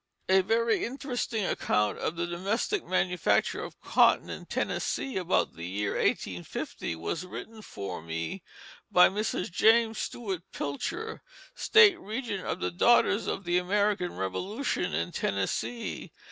A very interesting account of the domestic manufacture of cotton in Tennessee about the year 1850 was written for me by Mrs. James Stuart Pilcher, State Regent of the Daughters of the American Revolution in Tennessee.